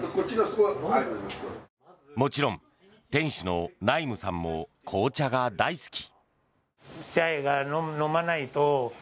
もちろん店主のナイムさんも紅茶が大好き。